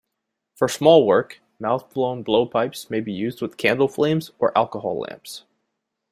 For small work, mouth-blown blowpipes may be used with candle flames or alcohol lamps.